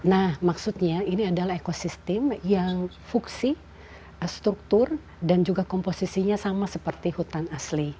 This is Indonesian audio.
nah maksudnya ini adalah ekosistem yang fuksi struktur dan juga komposisinya sama seperti hutan asli